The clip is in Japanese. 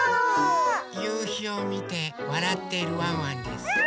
ゆうひをみてわらってるワンワンです。